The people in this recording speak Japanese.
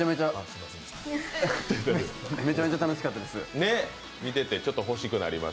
めちゃめちゃ楽しかったです。